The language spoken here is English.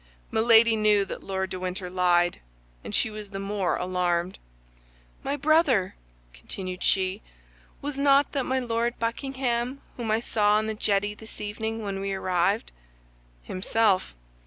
Milady knew that Lord de Winter lied, and she was the more alarmed. "My brother," continued she, "was not that my Lord Buckingham whom I saw on the jetty this evening as we arrived?" "Himself.